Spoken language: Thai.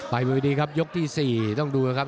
มวยดีครับยกที่๔ต้องดูนะครับ